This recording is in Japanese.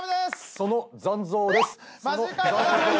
その残像です。